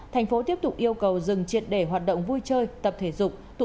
thành phố tiếp tục yêu cầu dừng triệt để hoạt động vui chơi tập thể dục